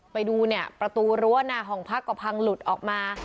ไปดูเนี่ยประตูรั้วหน้าห้องพักก็พังหลุดออกมา